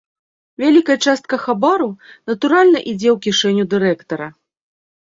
Вялікая частка хабару, натуральна, ідзе ў кішэню дырэктара.